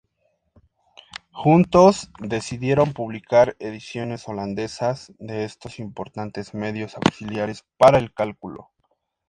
Juntos decidieron publicar ediciones holandesas de estos importantes medios auxiliares para el cálculo.